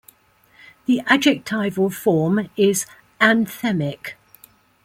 The adjectival form is "anthemic".